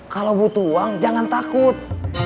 kalau butuh uang jangan takut